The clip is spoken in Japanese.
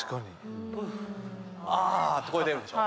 あーって声出るでしょ。